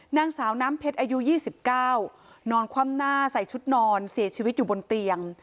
นางสาวน้ำเพชรอายุ๒๙นอนคว่ำหน้าใส่ชุดนอนเสียชีวิตอยู่บนเตียง